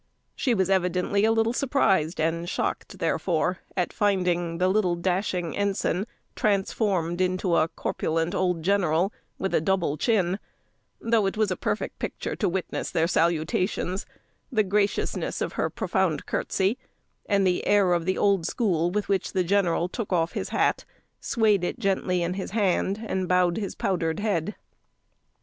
She was evidently a little surprised and shocked, therefore, at finding the little dashing ensign transformed into a corpulent old general, with a double chin, though it was a perfect picture to witness their salutations; the graciousness of her profound curtsy, and the air of the old school with which the general took off his hat, swayed it gently in his hand, and bowed his powdered head.